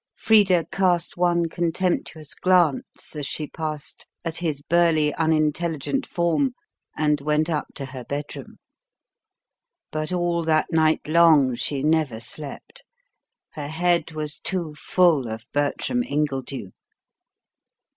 Frida cast one contemptuous glance as she passed at his burly, unintelligent form, and went up to her bedroom. But all that night long she never slept. Her head was too full of Bertram Ingledew.